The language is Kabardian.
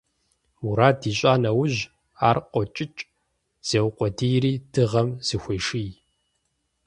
Мурад ищӀа нэужь, ар къокӀыкӀ, зеукъуэдийри дыгъэм зыхуеший.